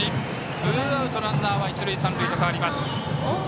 ツーアウトランナーは一塁三塁と変わります。